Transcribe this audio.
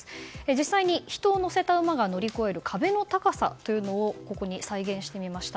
実際に人を乗せた馬が乗り越える壁の高さというのをここに再現してみました。